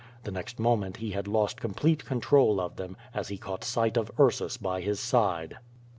The next moment he had lost complete control of them, as he caught sight of Ursus by his side.